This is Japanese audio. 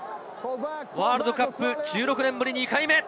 ワールドカップ１６年目ぶり２回目。